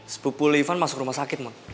spupul ivan masuk rumah sakit